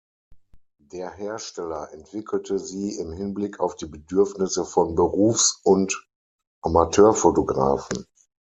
Der Hersteller entwickelte sie im Hinblick auf die Bedürfnisse von Berufs- und Amateurfotografen.